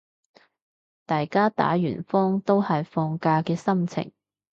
大家打完風都係放假嘅心情